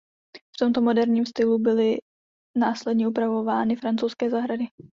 V tomto moderním stylu byly následně upravovány francouzské zahrady.